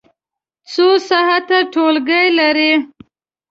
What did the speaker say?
څو ساعته ټولګی لرئ؟